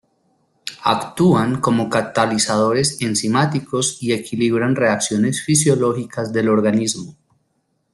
Actúan como catalizadores enzimáticos y equilibran reacciones fisiológicas del organismo.